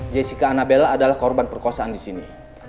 jessica nabela adalah korban perkosaan disini